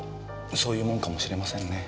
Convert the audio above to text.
そういうもんかもしれませんね。